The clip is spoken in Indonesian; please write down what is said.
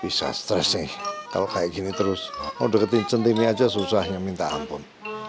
bisa stress nih kalau kayak gini terus mau deketin centini aja susahnya minta ampun